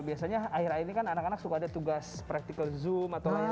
biasanya akhir akhir ini kan anak anak suka ada tugas practical zoom atau lain sebagainya